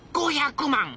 ５００万！？